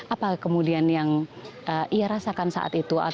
apa kemudian yang ia rasakan saat itu